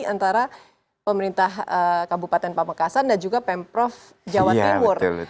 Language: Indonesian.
antara pemerintah kabupaten pamekasan dan juga pemprov jawa timur